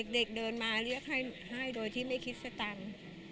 เด็กเดินมาเรียกให้โดยที่ไม่คิดสตังค์